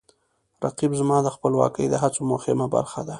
رقیب زما د خپلواکۍ د هڅو مهمه برخه ده